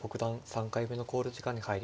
３回目の考慮時間に入りました。